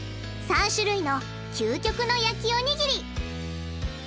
３種類の究極の焼きおにぎり！